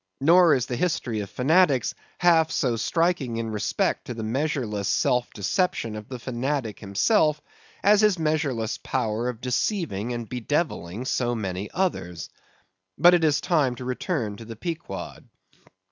Nor is the history of fanatics half so striking in respect to the measureless self deception of the fanatic himself, as his measureless power of deceiving and bedevilling so many others. But it is time to return to the Pequod.